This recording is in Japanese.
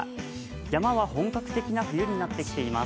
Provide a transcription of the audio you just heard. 山は本格的な冬になってきています。